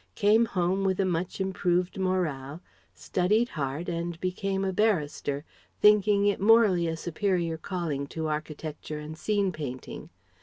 came home with a much improved morale, studied hard, and became a barrister, thinking it morally a superior calling to architecture and scene painting.